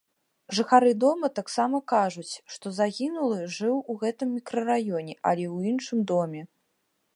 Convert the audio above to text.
Жыхары дома таксама кажуць, што загінулы жыў у гэтым мікрараёне, але ў іншым доме.